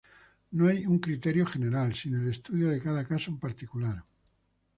No hay un criterio general, sino el estudio de cada caso en particular.